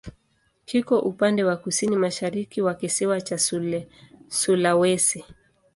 Kiko upande wa kusini-mashariki wa kisiwa cha Sulawesi.